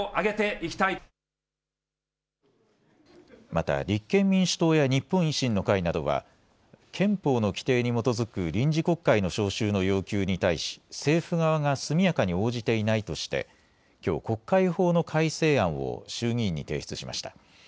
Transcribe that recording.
また立憲民主党や日本維新の会などは憲法の規定に基づく臨時国会の召集の要求に対し政府側が速やかに応じていないとして、きょう国会法の改正案を衆議院に提出しました。